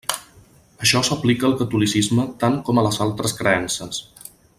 Això s'aplica al catolicisme tant com a les altres creences.